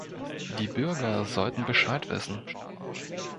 Die Bürger sollten Bescheid wissen.